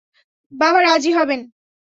বাবা রাজি হবেন?